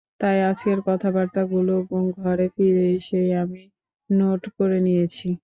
তাই আজকের কথাবার্তাগুলো ঘরে ফিরে এসেই আমি নোট করে নিয়েছি।